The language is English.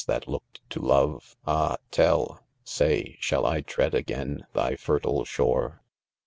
that, looked. to love— Ah tell 1 ■Say,, shall I tread again thy fertile shore